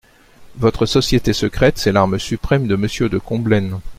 Votre société secrète, c'est l'arme suprême de Monsieur de Combelaine.